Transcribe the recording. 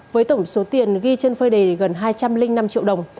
với tổng số tiền ghi trên phơi đề gần hai trăm linh năm triệu đồng